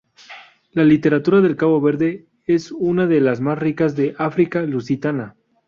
La literatura de Cabo Verde es una de las más ricas de África lusitana.